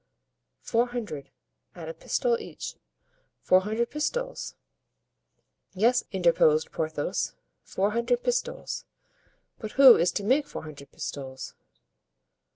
"Four hundred, at a pistole each, four hundred pistoles." "Yes," interposed Porthos, "four hundred pistoles; but who is to make four hundred pistoles?"